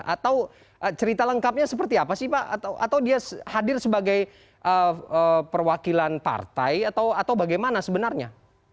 atau cerita lengkapnya seperti apa sih pak atau dia hadir sebagai perwakilan partai atau bagaimana sebenarnya